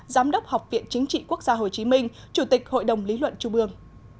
giám đốc học viện chính trị quốc gia hồ chí minh chủ tịch hội đồng lý luận trung ương